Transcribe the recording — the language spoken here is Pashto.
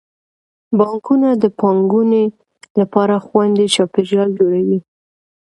بانکونه د پانګونې لپاره خوندي چاپیریال جوړوي.